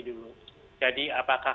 dulu jadi apakah